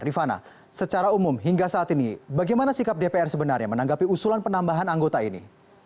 rifana secara umum hingga saat ini bagaimana sikap dpr sebenarnya menanggapi usulan penambahan anggota ini